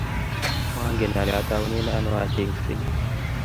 mangen kole ataunen ano achengsei